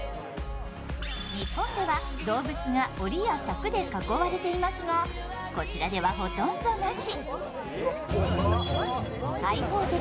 日本では動物がおりや柵で囲われていますがこちらではほとんどなし。